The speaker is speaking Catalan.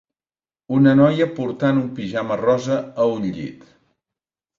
Una noia portant un pijama rosa a un llit